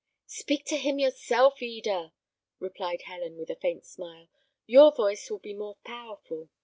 "Speak to him yourself, Eda," replied Helen, with a faint smile; "your voice will be more powerful.